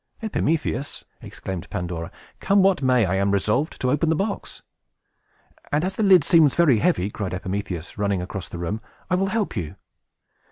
"Epimetheus," exclaimed Pandora, "come what may, I am resolved to open the box!" "And as the lid seems very heavy," cried Epimetheus, running across the room, "I will help you!"